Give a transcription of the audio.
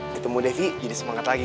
ketemu devi jadi semangat lagi